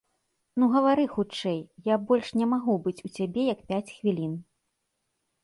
Ну гавары хутчэй, я больш не магу быць у цябе як пяць хвілін.